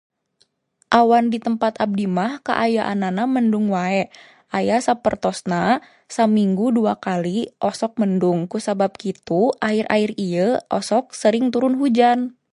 Awan di tempat abi mah kaayaanana mendung wae. Aya sapertosna saminggu dua kali osok mendung. Kusabab kitu ahir-ahir ieu osok sering turun hujan.